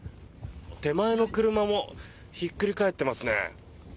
手前の車もひっくり返っていますね。